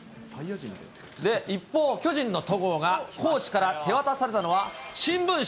一方、巨人の戸郷がコーチから手渡されたのは、新聞紙。